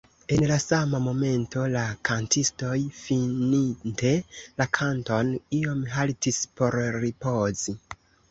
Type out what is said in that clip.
En la sama momento la kantistoj, fininte la kanton, iom haltis por ripozi.